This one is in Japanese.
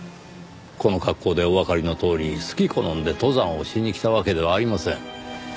この格好でおわかりのとおり好き好んで登山をしに来たわけではありません。